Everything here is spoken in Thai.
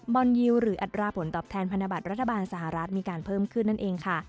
อนยิวหรืออัตราผลตอบแทนพันธบัตรรัฐบาลสหรัฐมีการเพิ่มขึ้นนั่นเองค่ะ